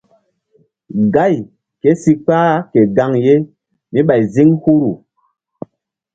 Gáy ké si kpah ke gaŋ mí ɓay ziŋ huhru.